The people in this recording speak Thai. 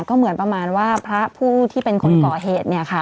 ก็เหมือนประมาณว่าพระผู้ที่เป็นคนก่อเหตุ